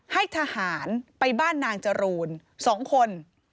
ให้ทหารไปบ้านนางจรูน๒คน